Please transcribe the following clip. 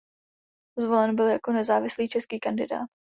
Zvolen byl jako nezávislý český kandidát.